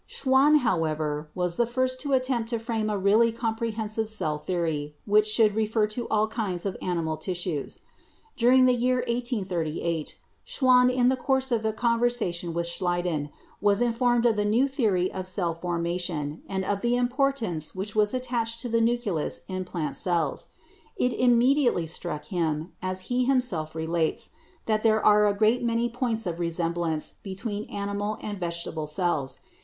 Schwann, however, was the first to attempt to frame a really comprehensive cell theory which should refer to all kinds of animal tissues. During the year 1838 Schwann, in the course of a conversation with Schleiden, was in formed of the new theory of cell formation, and of the importance which was attached to the nucleus in plant cells. It immediately struck him, as he himself relates, that there are a great many points of resemblance between animal and vegetable cells.